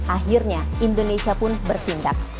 akhirnya indonesia pun berpindah